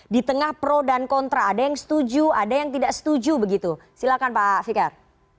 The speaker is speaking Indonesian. di tengah pro dan kontra ada yang setuju ada yang tidak setuju begitu silakan pak fikar